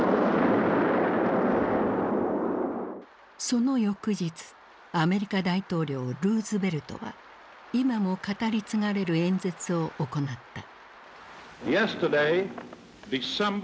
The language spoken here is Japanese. その翌日アメリカ大統領ルーズベルトは今も語り継がれる演説を行った。